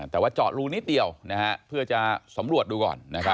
แต่ว่าเจาะรูนิดเดียวเพื่อจะสำรวจดูก่อน